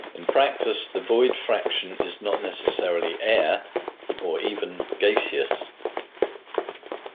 In practice, the void fraction is not necessarily air, or even gaseous.